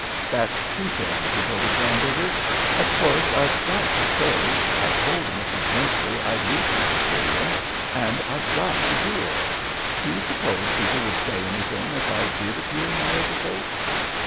"'That's two things,' retorted Van Bibber. 'Of course I've got to stay. I told Mrs. Winchley I'd lead her cotillon, and I've got to do it. Do you suppose people would say anything if I did appear in my overcoat?'